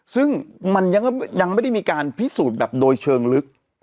ซึ่งมันยังไม่ได้มีการพิสูจน์แบบโดยเชิงลึก